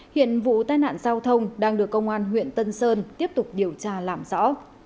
hiện vụ tai nạn giao thông đang được công an huyện tân sơn tiếp tục điều tra làm rõ